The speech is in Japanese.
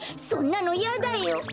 そんなのいやだよ！